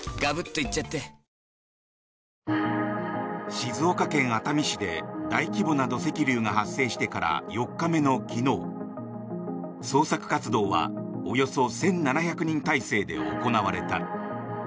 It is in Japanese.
静岡県熱海市で大規模な土石流が発生してから４日目の昨日捜索活動はおよそ１７００人態勢で行われた。